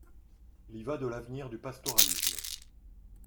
Il y va de l’avenir du pastoralisme.